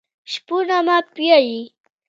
شپون رمه پیایي .